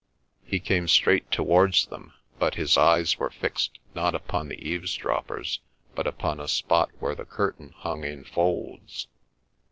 He came straight towards them, but his eyes were fixed not upon the eavesdroppers but upon a spot where the curtain hung in folds.